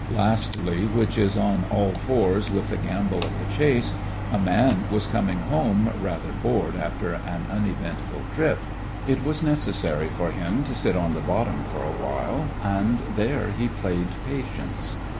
Lastly, which is on all fours with the gamble of the chase, a man was 56 THE FRINGES OF THE FLEET coming home rather bored after an uneventful trip. It was necessary for him to sit on the bottom for awhile, and there he played patience.